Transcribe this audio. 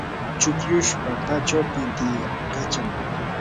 chukllush pampachaw pintiykachan.